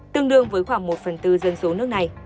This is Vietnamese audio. tương đương với khoảng một phần tư dân số nước này